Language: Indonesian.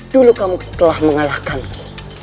dulu kamu telah mengalahkanku